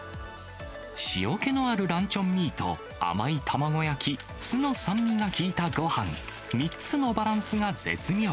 塩気のあるランチョンミート、甘い卵焼き、酢の酸味が効いたごはん、３つのバランスが絶妙。